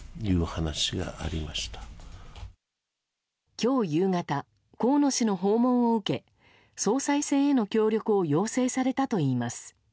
今日夕方、河野氏の訪問を受け総裁選への協力を要請されたといいます。